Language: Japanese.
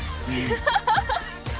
ハハハハ！